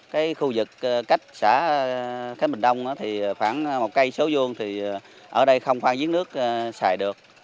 cái khu vực cách xã khánh bình đông thì khoảng một cây số vuông thì ở đây không khoan giếng nước xài được